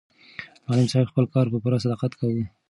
معلم صاحب خپل کار په پوره صداقت کاوه.